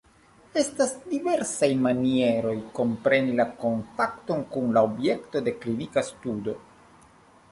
Estas diversaj manieroj kompreni la kontakton kun la objekto de klinika studo.